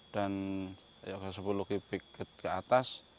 dan sepuluh kipik ke atas